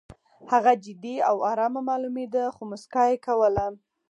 هغه جدي او ارامه معلومېده خو موسکا یې کوله